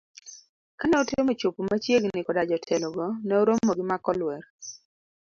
kane otemo chopo machiegni koda jotelo go ne oromo gi mak olwer.